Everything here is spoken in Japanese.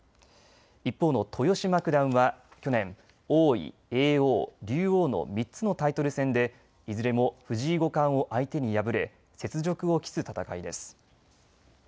一方の豊島九段は去年、王位、叡王、竜王の３つのタイトル戦でいずれも藤井五冠を相手に敗れ雪辱を期す戦いです。